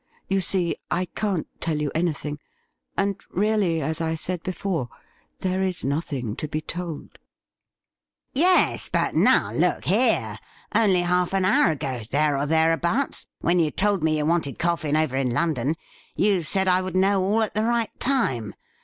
You see, I can't tell you anything ; and, really, as I said before, there is nothing to be told; 'Yes, but now look here. Only half an hour ago — there or thereabouts — when you told me you wanted Coffin over in London, you said I would know all at the right time.